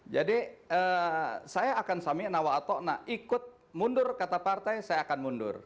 jadi saya akan sami'na wa'atokna ikut mundur kata partai saya akan mundur